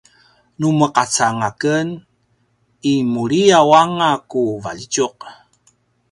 nu meqaca anga ken i meliyaw anga ku valjitjuq